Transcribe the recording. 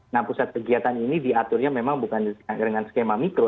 nah pusat kegiatan ini diaturnya memang bukan dengan skema mikro